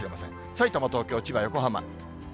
さいたま、東京、千葉、横浜。